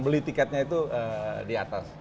beli tiketnya itu di atas